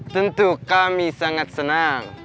tentu kami sangat senang